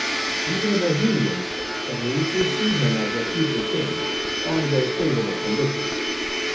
Even the Bohemians agreed to receive him as their future king, on very favourable conditions.